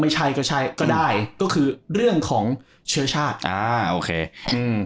ไม่ใช่ก็ใช่ก็ได้ก็คือเรื่องของเชื้อชาติอ่าโอเคอืม